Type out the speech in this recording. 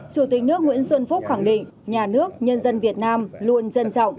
chủ tịch nước nguyễn xuân phúc khẳng định nhà nước nhân dân việt nam luôn trân trọng